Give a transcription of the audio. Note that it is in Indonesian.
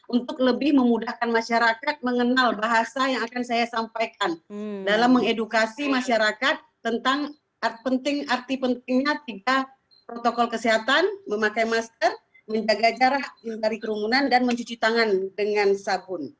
untuk lebih memudahkan masyarakat mengenal bahasa yang akan saya sampaikan dalam mengedukasi masyarakat tentang penting arti pentingnya tiga protokol kesehatan memakai masker menjaga jarak menghindari kerumunan dan mencuci tangan dengan sabun